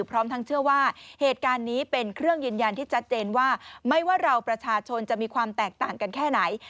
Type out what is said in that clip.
พร้อมทั้งเชื่อว่าเหตุการณ์นี้เป็นเครื่องยืนยันที่ชัดเจนว่าไม่ว่าเราประชาชนจะมีความแตกต่างกันแค่ไหน